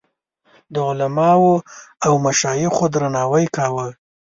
د علماوو او مشایخو درناوی کاوه.